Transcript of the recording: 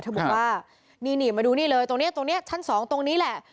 เธอบอกว่านี่มาดูนี่เลยตรงนี้ชั้น๒ตรงนี้แหละ